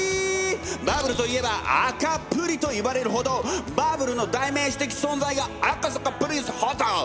バブルといえば赤プリといわれるほどバブルの代名詞的存在が赤坂プリンスホテル！